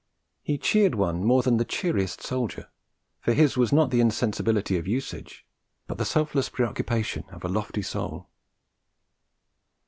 He cheered one more than the cheeriest soldier, for his was not the insensibility of usage, but the selfless preoccupation of a lofty soul.